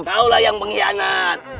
kau lah yang pengkhianat